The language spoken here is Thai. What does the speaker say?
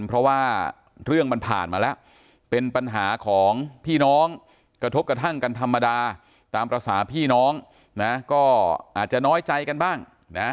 เพราะว่าเรื่องมันผ่านมาแล้วเป็นปัญหาของพี่น้องกระทบกระทั่งกันธรรมดาตามภาษาพี่น้องนะก็อาจจะน้อยใจกันบ้างนะ